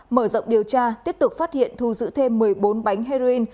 mở rộng điều tra tiếp tục phát hiện thu giữ thêm một mươi bốn bánh heroin